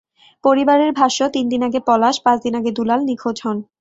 পরিবারের ভাষ্য, তিন দিন আগে পলাশ, পাঁচ দিন আগে দুলাল নিখোঁজ হন।